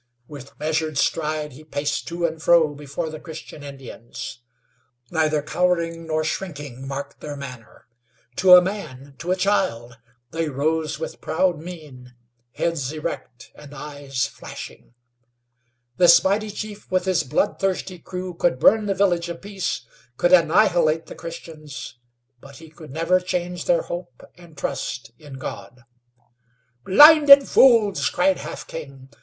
With measured stride he paced to and fro before the Christian Indians. Neither cowering nor shrinking marked their manner; to a man, to a child, they rose with proud mien, heads erect and eyes flashing. This mighty chief with his blood thirsty crew could burn the Village of Peace, could annihilate the Christians, but he could never change their hope and trust in God. "Blinded fools!" cried Half King.